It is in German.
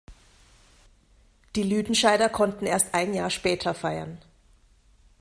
Die Lüdenscheider konnten erst ein Jahr später feiern.